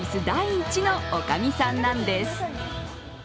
第一のおかみさんなんです。